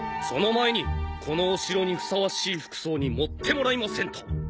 その前にこのお城にふさわしい服装に盛ってもらいませんと。